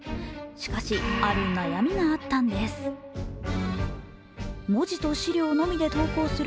しかし、ある悩みがあったんです。